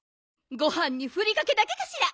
ごはんにふりかけだけかしら。